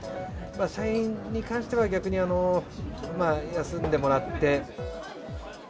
社員に関しては、逆に休んでもらって。